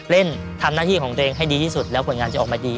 เล่นทำหน้าที่ของตัวเองให้ดีที่สุดแล้วผลงานจะออกมาดี